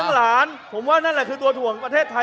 คุณจิลายุเขาบอกว่ามันควรทำงานร่วมกัน